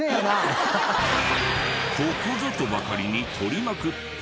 ここぞとばかりに採りまくって。